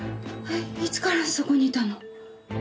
いつからそこにいたの？